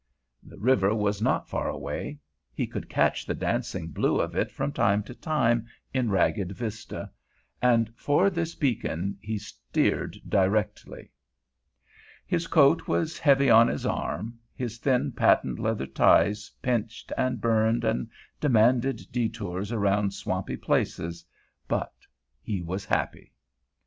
The river was not far away. He could catch the dancing blue of it from time to time in ragged vista, and for this beacon he steered directly. His coat was heavy on his arm, his thin patent leather ties pinched and burned and demanded detours around swampy places, but he was happy.